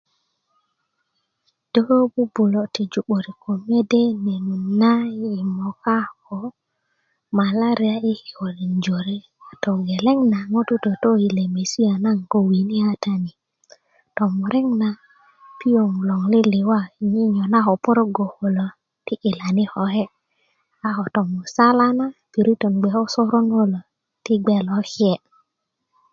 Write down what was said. do bubulö tiju 'börik ko mede net na i moka ko malaria i kikölin jore togeleŋ na ŋtut toto ko lemesia nagon ko wini kata ni tomurek na piöŋ loŋ liliwa nyoga ko porogo kune ti ilani koke a ko tomusala na piritö bge ko soron kune ti bge a nake